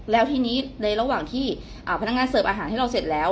แล้วทีนี้ในระหว่างที่พนักงานเสิร์ฟอาหารให้เราเสร็จแล้ว